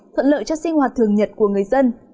thuận lợi cho sinh hoạt thường nhật của người dân